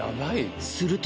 すると。